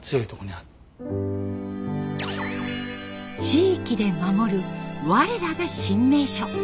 地域で守るわれらが新名所。